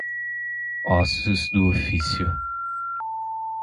Ossos do ofício